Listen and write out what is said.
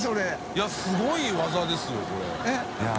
いやすごい技ですよこれ。